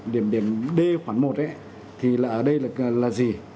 điểm điểm d khoảng một ấy thì là ở đây là cái là gì